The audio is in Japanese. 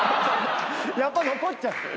やっぱ残っちゃって。